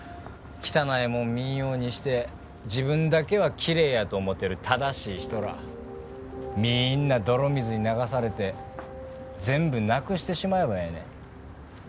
汚いもん見んようにして自分だけはキレイやと思てる正しい人らみんな泥水に流されて全部なくしてしまえばええねん